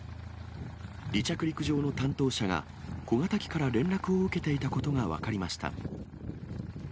離着陸場の担当者が、小型機から連絡を受けていたことが分かりました。